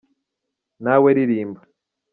nawe ririmba.